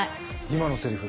今のセリフ